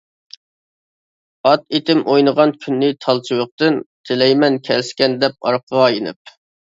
ئات ئىتىم ئوينىغان كۈننى تال چىۋىقتىن، تىلەيمەن كەلسىكەن دەپ ئارقىغا يېنىپ؟ !